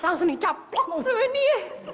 langsung dicapok semua dia